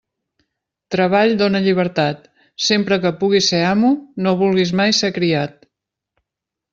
Treball dóna llibertat; sempre que puguis ser amo, no vulguis mai ser criat.